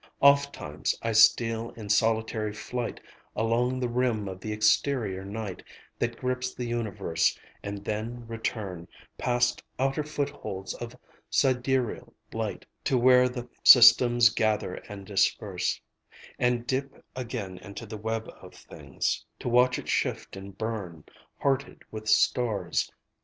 Ofttimes I steal in solitary flight Along the rim of the exterior night That grips the universe; And then return, Past outer footholds of sidereal light, To where the systems gather and disperse; And dip again into the web of things, To watch it shift and burn, Hearted with stars.